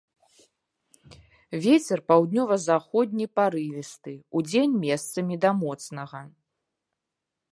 Вецер паўднёва-заходні парывісты, удзень месцамі да моцнага.